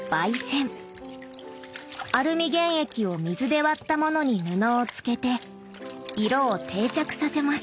アルミ原液を水で割ったものに布をつけて色を定着させます。